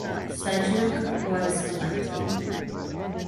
Sedgwick was elected.